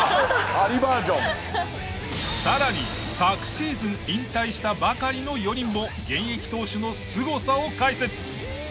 さらに昨シーズン引退したばかりの４人も現役投手のすごさを解説！